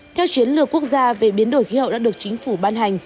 theo chiến lược quốc gia về biến đổi khí hậu đã được chính phủ ban hành